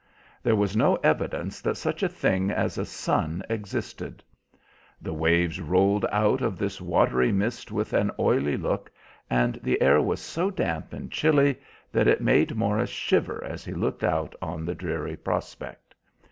There was no evidence that such a thing as a sun existed. The waves rolled out of this watery mist with an oily look, and the air was so damp and chilly that it made Morris shiver as he looked out on the dreary prospect.